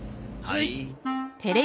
はい。